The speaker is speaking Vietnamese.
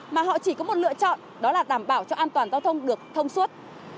mà họ chỉ có một lựa chọn đó là đảm bảo cho an toàn giao thông được thông suốt